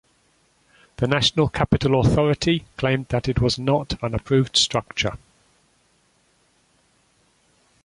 The National Capital Authority claimed that it was not an approved structure.